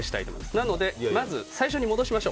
なのでまず最初に戻しましょう。